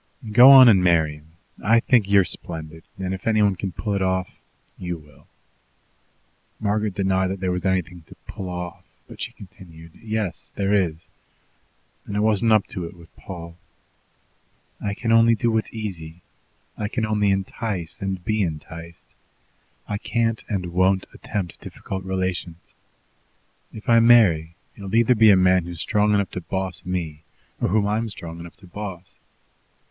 "Go on and marry him. I think you're splendid; and if anyone can pull it off, you will." Margaret denied that there was anything to "pull off," but she continued: "Yes, there is, and I wasn't up to it with Paul. I can only do what's easy. I can only entice and be enticed. I can't, and won't attempt difficult relations. If I marry, it will either be a man who's strong enough to boss me or whom I'm strong enough to boss.